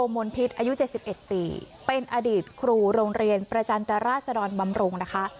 โมนพิษอายุเจ็ดสิบเอ็ดตรีเป็นอดีตครูโรงเรียนประจันตราราชดรบำรงค์